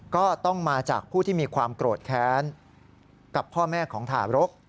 ก็ต้องมาจากผู้ที่มีความโกรธแค้นกับพ่อแม่ของทารก